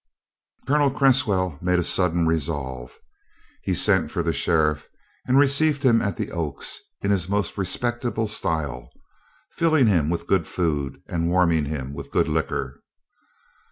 Colonel Cresswell made a sudden resolve. He sent for the sheriff and received him at the Oaks, in his most respectable style, filling him with good food, and warming him with good liquor.